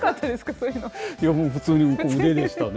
もう普通に腕でしたね。